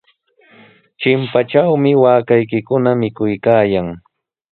Chimpatrawmi waakaykikuna mikuykaayan.